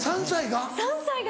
３歳が？